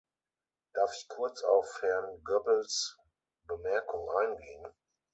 Darf ich kurz auf Herrn Goebbels' Bemerkung eingehen?